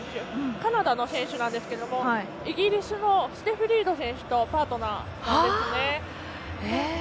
カナダの選手なんですけれどもイギリスのステフ・リード選手とパートナーなんですね。